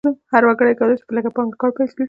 هر وګړی کولی شي په لږه پانګه کار پیل کړي.